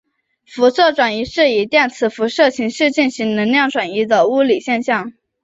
辐射转移是以电磁辐射形式进行能量转移的物理现象。